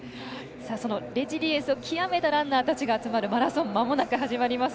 そのレジリエンスを極めたランナーたちが集まるマラソンまもなく始まります。